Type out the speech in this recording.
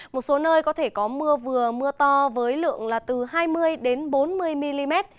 một số nơi có thể có mưa vừa mưa to với lượng là từ hai mươi bốn mươi mm